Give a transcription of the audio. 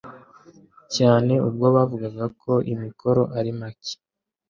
cyane ubwo bavugaga ko amikoro ari make